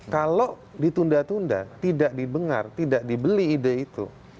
kalau ditunda tunda tidak didengar tidak dibeli ide itu